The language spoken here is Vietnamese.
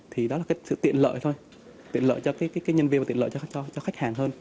thì đó là sự tiện lợi thôi tiện lợi cho nhân viên và tiện lợi cho khách hàng hơn